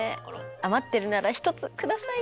余ってるなら１つ下さいよ。